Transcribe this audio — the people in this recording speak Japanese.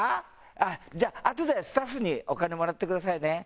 あっじゃああとでスタッフにお金もらってくださいね。